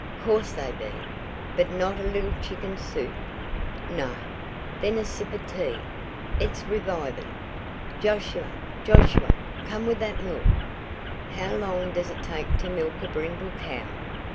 "Course they be. But now a little chicken soup? No? Then a sip of tea. It's revivin'. Josiah! Josiah! Come with that milk! How long does it take to milk a brindle cow?"